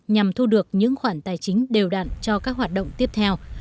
nhằm thu được những khoản tài chính đều đặn cho các hoạt động tiếp theo